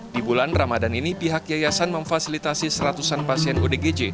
di bulan ramadan ini pihak yayasan memfasilitasi seratusan pasien odgj